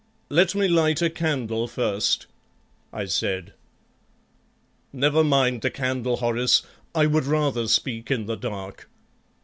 "Let me light a candle first," I said. "Never mind the candle, Horace; I would rather speak in the dark.